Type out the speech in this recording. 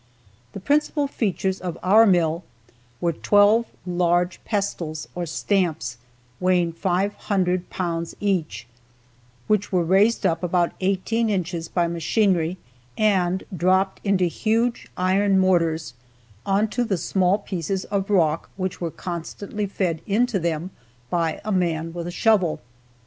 The principal features of our mill were twelve large pestles or stamps, weighing 500 pounds each, which were raised up about eighteen inches by machinery and dropped into huge iron mortars onto the small pieces of rock which were constantly fed into them by a man with a shovel.